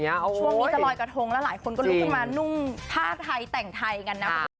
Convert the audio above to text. ช่วงนี้จะลอยกระทงแล้วหลายคนก็ลุกขึ้นมานุ่งผ้าไทยแต่งไทยกันนะคุณผู้ชม